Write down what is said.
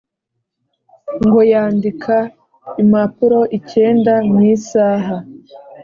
Ngo yandika imapuro ikenda mwisaha